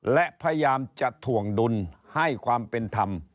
และพยายามจะถ่วงดุลให้ความเป็นธรรม